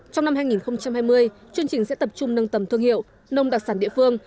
trong năm hai nghìn hai mươi chương trình sẽ tập trung nâng tầm thương hiệu nông đặc sản địa phương